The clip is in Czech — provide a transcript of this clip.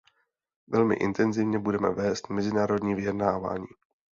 Velmi intenzivně budeme vést mezinárodní vyjednávání.